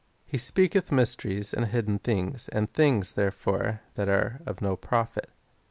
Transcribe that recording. speaketli mysteries and hidden things, and things, therefore, that are of no profit."